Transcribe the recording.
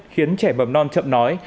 khiến trẻ bầm non chậm nói